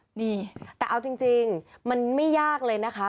นี่แต่เอาจริงมันไม่ยากเลยนะคะ